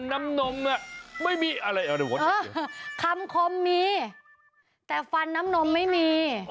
คำคมมีแต่ว่าน้ำนมไม่มี